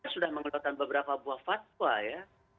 sudah mengeluarkan beberapa buah fatwa ya